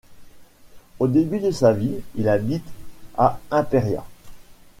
Au début de sa vie, il habite à Imperia.